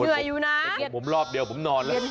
เหนื่อยอยู่นะผมรอบเดียวผมนอนแล้ว